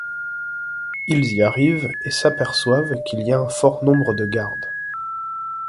Ils y arrivent et s’aperçoivent qu’il y a un fort nombre de gardes.